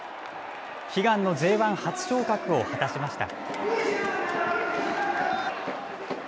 悲願のＪ１初昇格を果たしました。